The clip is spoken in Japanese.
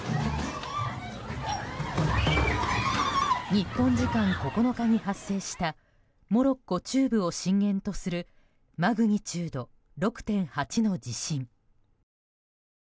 日本時間９日に発生したモロッコ中部を震源とするマグニチュード６．８の地震。